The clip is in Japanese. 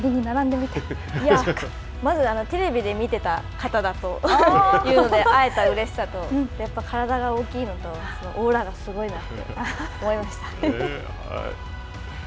まず、テレビで見ていた方だというので会えたうれしさとやっぱり体が大きいのと、オーラがすごいなって思いました。